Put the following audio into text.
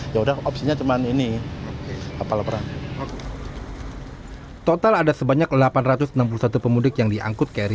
ya udah opsinya cuman ini apa laporannya total ada sebanyak delapan ratus enam puluh satu pemudik yang diangkut kri